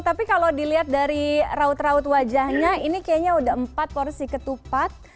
tapi kalau dilihat dari raut raut wajahnya ini kayaknya udah empat porsi ketupat